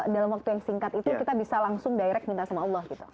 dalam waktu yang singkat itu kita bisa langsung direct minta sama allah gitu